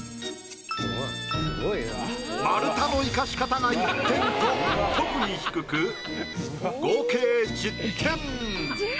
丸太の生かし方が１点と特に低く合計１０点！